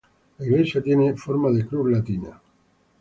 La iglesia tiene forma de cruz latina.